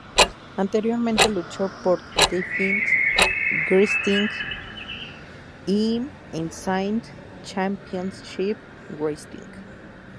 Anteriormente luchó por Defiant Wrestling y Insane Championship Wrestling.